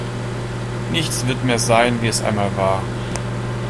Nichts wird mehr sein, wie es einmal war.